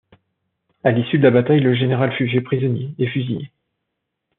À l'issue de la bataille, le général fut fait prisonnier et fusillé.